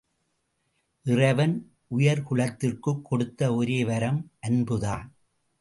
இறைவன் உயிர்க்குலத்திற்குக் கொடுத்த ஒரே ஒரு வரம் அன்புதான்.